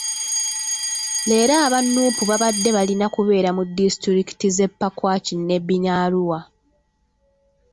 Leero aba Nuupu babadde balina kubeera mu disitulikiti z'e Pakwach, Nebbi ne Arua.